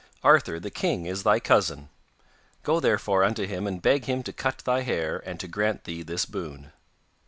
'Arthur the king is thy cousin. Go therefore unto him and beg him to cut thy hair, and to grant thee this boon.